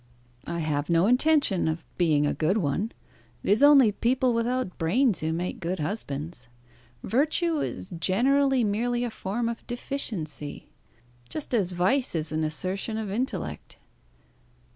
"I have no intention of being a good one. It is only people without brains who make good husbands. Virtue is generally merely a form of deficiency, just as vice is an assertion of intellect.